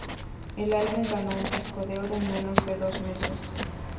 El álbum ganó un disco de oro en menos de dos meses.